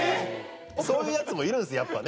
そういうヤツもいるんですやっぱね。